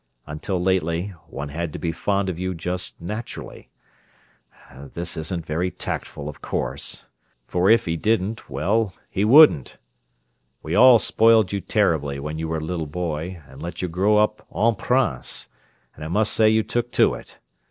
Until lately, one had to be fond of you just naturally—this isn't very 'tactful,' of course—for if he didn't, well, he wouldn't! We all spoiled you terribly when you were a little boy and let you grow up en prince—and I must say you took to it!